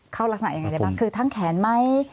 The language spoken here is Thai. เข้ารักษณะอย่างไรได้บ้างคือทั้งแขนไหม